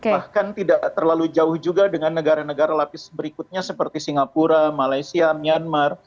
bahkan tidak terlalu jauh juga dengan negara negara lapis berikutnya seperti singapura malaysia myanmar